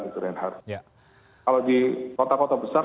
kalau di kota kota besar